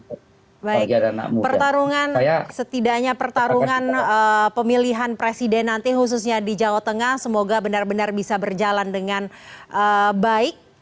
baik pertarungan setidaknya pertarungan pemilihan presiden nanti khususnya di jawa tengah semoga benar benar bisa berjalan dengan baik